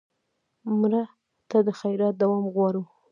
مړه ته د خیرات دوام غواړو